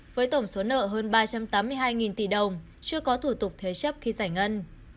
với tổng số nợ hơn ba trăm tám mươi hai tỷ đồng chưa có thủ tục thế chấp khi giải ngân